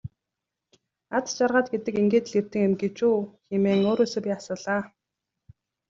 Аз жаргал гэдэг ингээд л ирдэг юм гэж үү хэмээн өөрөөсөө би асуулаа.